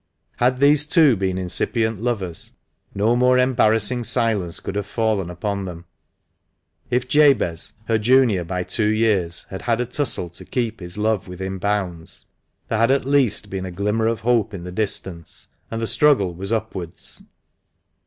Had these two been incipient lovers, no more embarrassing silence could have fallen upon them. If Jabez, her junior by two years, had had a tussle to keep his love within bounds, there had at least been a glimmer of hope in the distance, and the struggle was upwards.